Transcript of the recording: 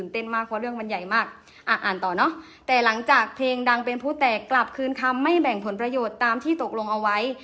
แต่หลังจากเพลงดังเป็นผู้แตกกลับคืนคำไม่แบ่งผลประโยชน์ตามที่ตกลงเอาไว้